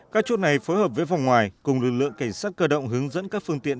các chốt này phối hợp với vòng ngoài cùng lực lượng cảnh sát cơ động hướng dẫn các phương tiện